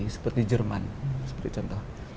seperti jerman seperti contoh